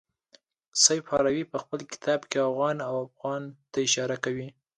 سیف هروي په خپل کتاب کې اوغان او افغان ته اشاره کوي.